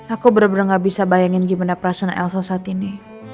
aku benar benar gak bisa bayangin gimana perasaan elsa saat ini